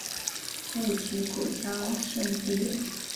勿吉古肃慎地也。